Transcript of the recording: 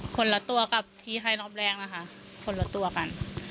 คนละตัวกับที่ให้รอบแรกนะคะคนละตัวกัน